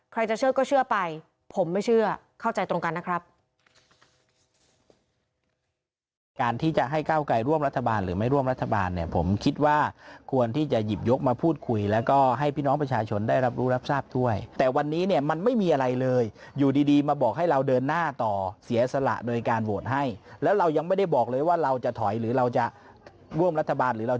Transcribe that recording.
จะเชื่อก็เชื่อไปผมไม่เชื่อเข้าใจตรงกันนะครับ